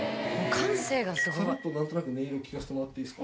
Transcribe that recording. さらっと何となく音色聴かせてもらっていいですか？